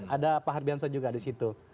ada pak hardianson juga di situ